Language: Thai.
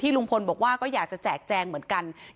ตำรวจบอกว่าภายในสัปดาห์เนี้ยจะรู้ผลของเครื่องจับเท็จนะคะ